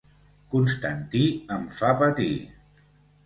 Constantí em fa patir.